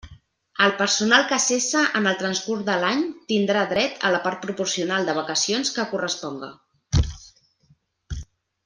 El personal que cesse en el transcurs de l'any tindrà dret a la part proporcional de vacacions que corresponga.